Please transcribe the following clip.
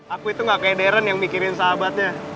aku itu gak kayak darren yang mikirin sahabatnya